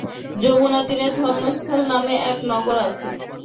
যমুনাতীরে ধর্মস্থল নামে এক নগর আছে।